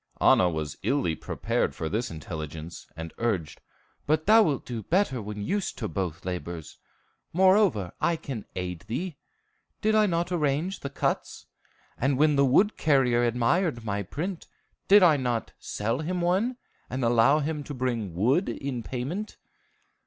Anna was illy prepared for this intelligence, and urged, "But thou wilt do better when used to both labors. Moreover, I can aid thee. Did I not arrange the cuts? And when the wood carrier admired my print, did I not sell him one, and allow him to bring wood in payment?"